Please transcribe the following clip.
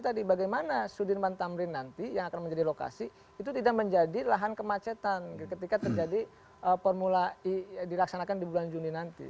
jadi bagaimana sudirman tamrin nanti yang akan menjadi lokasi itu tidak menjadi lahan kemacetan ketika terjadi formula e dilaksanakan di bulan juni nanti